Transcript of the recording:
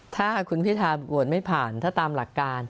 ถ้าคุณพิธาโหวตไม่ผ่านถ้าตามหลักการ